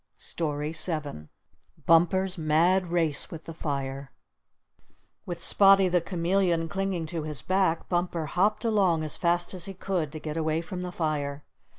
STORY VII BUMPER'S MAD RACE WITH THE FIRE With Spotty the Chameleon clinging to his back, Bumper hopped along as fast as he could to get away from the fire.